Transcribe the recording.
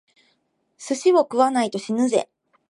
寿司を食わないと死ぬぜ！